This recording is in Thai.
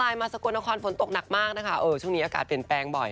มาสกลนครฝนตกหนักมากนะคะเออช่วงนี้อากาศเปลี่ยนแปลงบ่อย